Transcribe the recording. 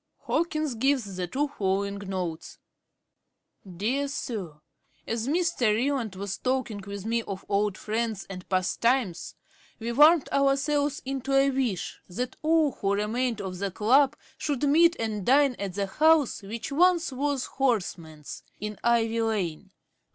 (Page 253.) Hawkins gives the two following notes: 'DEAR SIR, 'As Mr. Ryland was talking with me of old friends and past times, we warmed ourselves into a wish, that all who remained of the club should meet and dine at the house which once was Horseman's, in Ivy lane.